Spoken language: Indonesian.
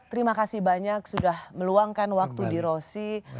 terima kasih banyak sudah meluangkan waktu di rosi